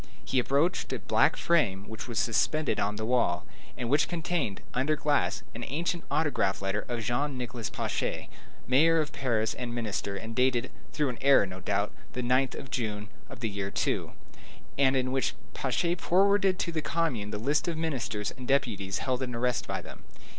He approached a black frame which was suspended on the wall, and which contained, under glass, an ancient autograph letter of Jean Nicolas Pache, mayor of Paris and minister, and dated, through an error, no doubt, the 9th of June, of the year II., and in which Pache forwarded to the commune the list of ministers and deputies held in arrest by them.